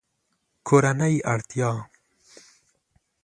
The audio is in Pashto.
کورنۍ اړتیا